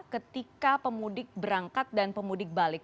ketika pemudik berangkat dan pemudik balik